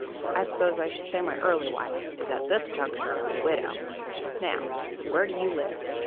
I suppose I should say my early wife is at this juncture a widow. Now, where do you live?"